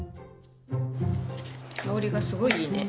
香りがすごいいいね。